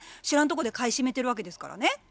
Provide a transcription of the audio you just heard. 知らんとこで買い占めてるわけですからね。